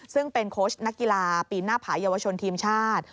ซึ่งเป็นโค้ชนักกีฬาปีนหน้าผายาวชนทีมชาติ